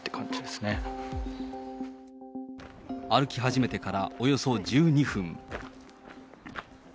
歩き始めてからおよそ１２分。